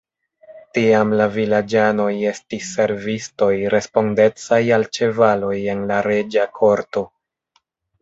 Tiam la vilaĝanoj estis servistoj respondecaj al ĉevaloj en la reĝa korto.